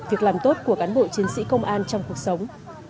việc làm tốt của cán bộ chiến sĩ công an trong cuộc sống